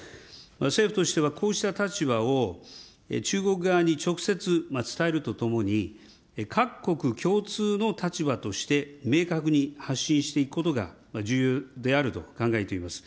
政府としてはこうした立場を中国側に直接伝えるとともに、各国共通の立場として明確に発信していくことが重要であると考えています。